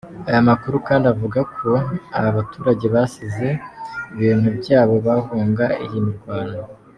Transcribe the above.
Aya makuru kandi avuga ko aba baturage basize ibintu byabo bahunga iyi mirwano.